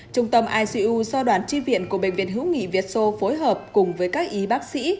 trung tâm icu do đoàn tri viện của bệnh viện hữu nghị việt sô phối hợp cùng với các y bác sĩ